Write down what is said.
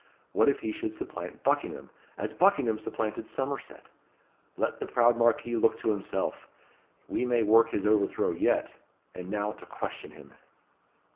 What if he should supplant Buckingham, as Buckingham supplanted Somerset? Let the proud Marquis look to himself! We may work his overthrow yet. And now to question him."